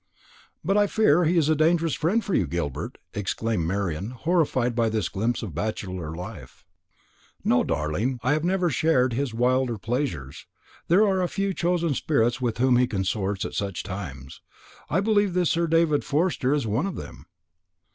"But I fear he is a dangerous friend for you, Gilbert," exclaimed Marian, horrified by this glimpse of bachelor life. "No, darling, I have never shared his wilder pleasures. There are a few chosen spirits with whom he consorts at such times. I believe this Sir David Forster is one of them."